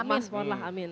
mas pond lah amin